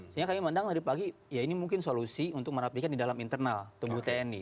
sehingga kami memandang tadi pagi ya ini mungkin solusi untuk merapikan di dalam internal tubuh tni